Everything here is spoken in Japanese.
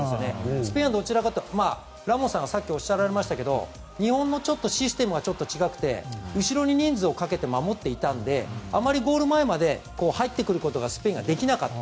スペインはどちらかというとラモスさんがさっきおっしゃいましたけど日本のシステムがちょっと違って後ろに人数をかけて守っていたのであまりゴール前まで入ってくることがスペインはできなかった。